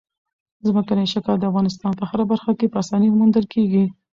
ځمکنی شکل د افغانستان په هره برخه کې په اسانۍ موندل کېږي.